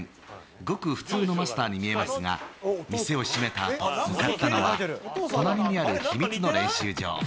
ごく普通のマスターに見えますが店を閉めたあと向かったのは隣にある秘密の練習場。